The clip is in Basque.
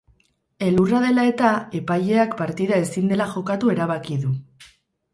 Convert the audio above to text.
Elurra dela eta epaileak partida ezin dela jokatu erabaki du.